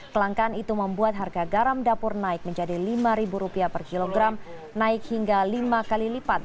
kelangkaan itu membuat harga garam dapur naik menjadi rp lima per kilogram naik hingga lima kali lipat